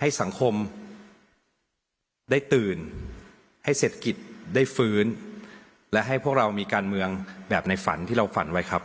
ให้สังคมได้ตื่นให้เศรษฐกิจได้ฟื้นและให้พวกเรามีการเมืองแบบในฝันที่เราฝันไว้ครับ